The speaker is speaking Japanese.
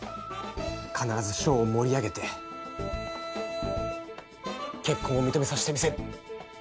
必ずショーを盛り上げて結婚を認めさせてみせる！